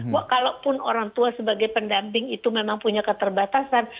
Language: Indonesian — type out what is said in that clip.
walaupun orang tua sebagai pendamping itu memang punya keterbatasan